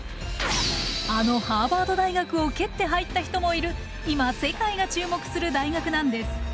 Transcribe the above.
あのハーバード大学を蹴って入った人もいる今世界が注目する大学なんです。